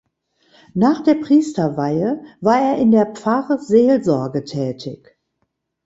Nach der Priesterweihe war er in der Pfarrseelsorge tätig.